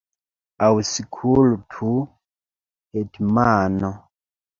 Aŭskultu, hetmano!